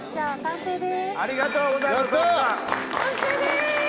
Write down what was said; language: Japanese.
ありがとうございます！